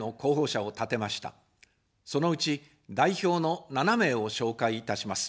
そのうち、代表の７名を紹介いたします。